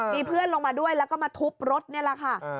มีเพื่อนลงมาด้วยแล้วก็มาทุบรถนี่แหละค่ะ